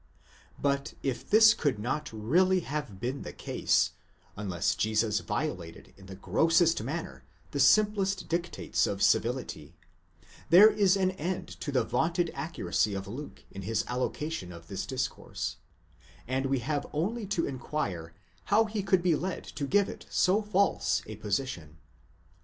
But if this could not really have been the case, unless Jesus violated in the grossest manner the simplest dictates of civility, there is an end to the vaunted accuracy of Luke in his allocation of this discourse: and we have only to inquire how he could be led to give it so false a position.